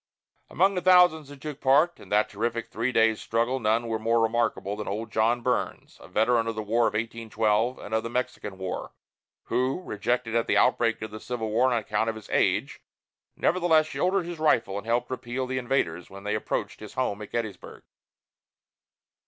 Among the thousands who took part in that terrific three days' struggle none was more remarkable than old John Burns, a veteran of the War of 1812 and of the Mexican War, who, rejected at the outbreak of the Civil War on account of his age, nevertheless shouldered his rifle and helped repel the invaders, when they approached his home at Gettysburg.